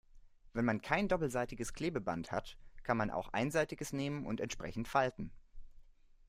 Wenn man kein doppelseitiges Klebeband hat, kann man auch einseitiges nehmen und entsprechend falten.